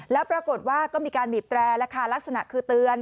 แล้วปรากฏว่าก็มีการบีบแตรแล้วค่ะลักษณะคือเตือน